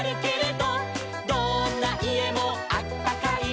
「どんないえもあったかい」